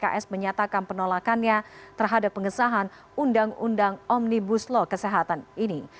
pks menyatakan penolakannya terhadap pengesahan undang undang omnibus law kesehatan ini